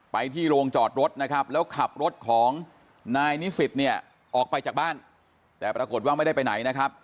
ไปที่โรงจอดรถนะครับแล้วขับรถของนายนิสิตเนี่ยออกไปจากบ้านแต่ปรากฏว่าไม่ได้ไปไหนนะครับ